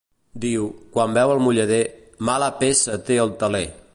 Diu, quan veu el mullader: "mala peça té el teler".